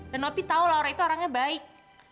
dan opi tahu laura itu orangnya baik